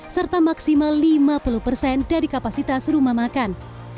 serta maksimal lima puluh persen dari kapasitas rumah makan